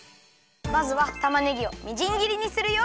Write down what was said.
まずはたまねぎをみじんぎりにするよ。